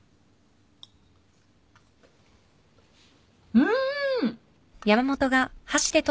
うん！